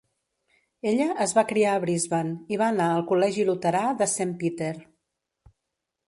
Ella es va criar a Brisbane, i va anar al Col·legi Luterà de Saint Peter.